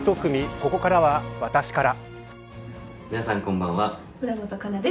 ここからは、私から。